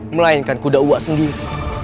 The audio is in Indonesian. melainkan kuda uwa sendiri